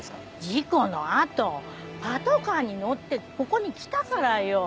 事故の後パトカーに乗ってここに来たからよ。